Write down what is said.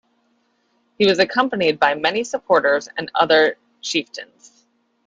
He was accompanied by many supporters and other chieftains.